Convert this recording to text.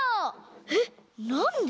えっなんで？